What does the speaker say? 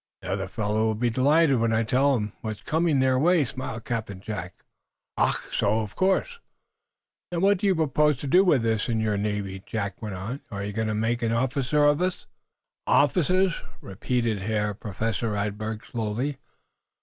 "The other fellows will be delighted when I tell 'em what's coming their way," smiled Captain Jack. "Ach! So? Of course." "Now, what do you propose to do with us in your navy?" Jack went on. "Are you going to make officers of us?" "Officers?" repeated Herr Professor Radberg, slowly.